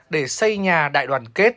để xây nhà đại đoàn kết